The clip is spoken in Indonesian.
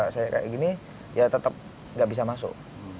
saya kayak gini ya tetap nggak bisa masuk